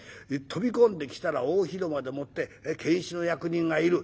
飛び込んできたら大広間でもって検使の役人がいる。